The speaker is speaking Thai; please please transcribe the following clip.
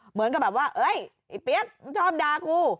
เหมือนกับแบบว่าเฮ้ยไอ้เปี๊ยกชอบด่ากู